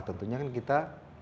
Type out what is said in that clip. tentunya kan kita